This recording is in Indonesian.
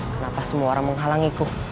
kenapa semua orang menghalangiku